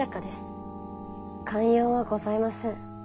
寛容はございません。